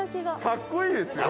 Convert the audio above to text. かっこいいですよ。